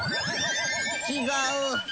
違う。